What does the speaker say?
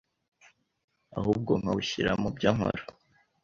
ahubwo nkawushyira mu byo nkora.